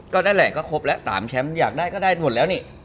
นั่นแหละก็ครบแล้ว๓แชมป์อยากได้ก็ได้หมดแล้วนี่